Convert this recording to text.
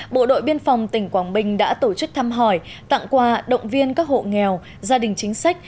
bộ đội biên phòng tỉnh quảng bình đã tổ chức thăm hỏi tặng quà động viên các hộ nghèo gia đình chính sách